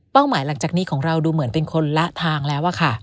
หมายหลังจากนี้ของเราดูเหมือนเป็นคนละทางแล้วอะค่ะ